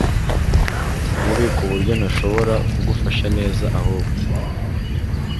mubi kuburyo ntashobora kugufasha neza ahubwo